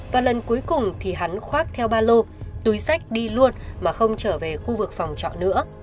và lần cuối cùng thì hắn khoác theo ba lô túi sách đi luôn mà không trở về khu vực phòng trọ nữa